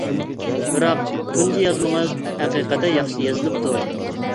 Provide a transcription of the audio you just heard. بىراق، تۇنجى يازمىڭىز ھەقىقەتەن ياخشى يېزىلىپتۇ.